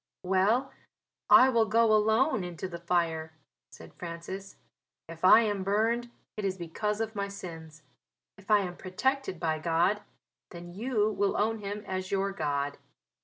"Well, I will go alone into the fire," said Francis. "If I am burned it is because of my sins if I am protected by God then you will own Him as your God."